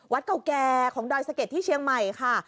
เก่าแก่ของดอยสะเก็ดที่เชียงใหม่ค่ะ